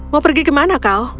mau pergi ke mana kau